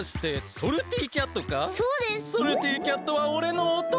ソルティキャットはおれのおとうとだ！